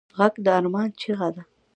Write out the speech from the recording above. غږ د ارمان چیغه ده